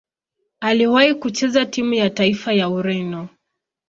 Aliwahi kucheza timu ya taifa ya Ureno.